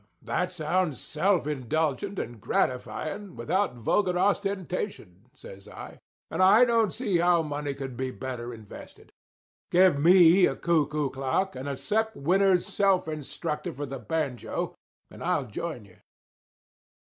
"That sounds self indulgent and gratifying without vulgar ostentation," says I; "and I don't see how money could be better invested. Give me a cuckoo clock and a Sep Winner's Self Instructor for the Banjo, and I'll join you."